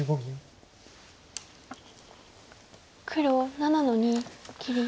黒７の二切り。